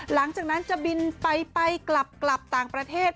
หลังจากนั้นจะบินไปกลับต่างประเทศ